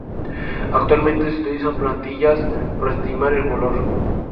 Actualmente se utilizan plantillas para estimar el color.